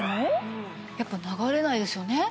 やっぱ流れないですよね。